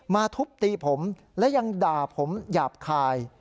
ทุบตีผมและยังด่าผมหยาบคาย